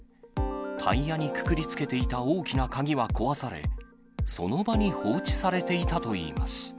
タイヤにくくりつけていた大きな鍵は壊され、その場に放置されていたといいます。